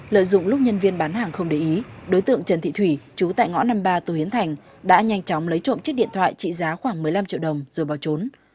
lợi dụng lúc nhân viên bán hàng không để ý đối tượng trần thị thủy chú tại ngõ năm mươi ba tô hiến thành đã nhanh chóng lấy trộm chiếc điện thoại trị giá khoảng một mươi năm triệu đồng rồi bỏ trốn